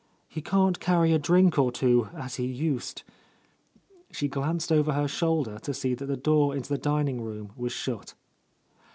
He can't carry a drink or two as he used," — she glanced over her shoulder to see that the door r — A Lost Lady into the dining room was shut.